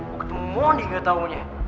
waktu ngomong dia gak taunya